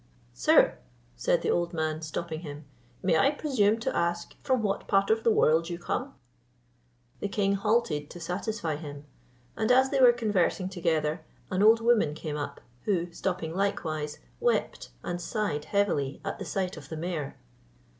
"Sir," said the old man, stopping him, "may I presume to ask from what part of the world you come?" The king halted to satisfy him, and as they were conversing together, an old woman came up; who, stopping likewise, wept and sighed heavily at the sight of the mare.